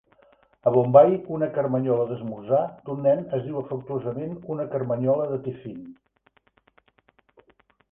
A Bombai, una carmanyola d'esmorzar d'un nen es diu afectuosament una carmanyola de Tiffin.